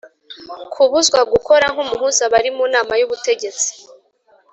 Kubuzwa gukora nk’umuhuza Abari mu nama y’ubutegetsi,